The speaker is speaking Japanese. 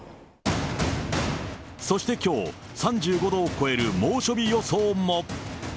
そしてきょう、３５度を超える猛暑日予想も。